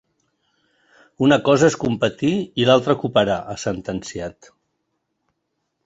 Una cosa és competir i l’altra cooperar, ha sentenciat.